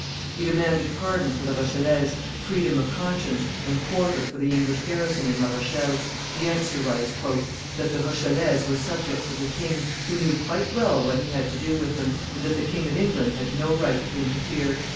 He demanded pardon for the Rochellese, freedom of conscience, and quarter for the English garrison in La Rochelle; the answer was, "that the Rochellese were subjectss of the king, who knew quite well what he had to do with them, and that the King of England had no right to interfere.